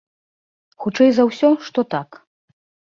Хутчэй за ўсё, што так.